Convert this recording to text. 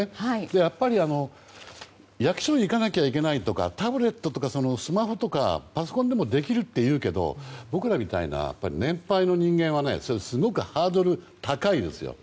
やっぱり、役所に行かなきゃいけないとかタブレットとかスマホとかパソコンでもできるというけど僕らみたいな年配の人間はそれすごくハードルが高いですよ。